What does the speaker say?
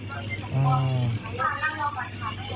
อือ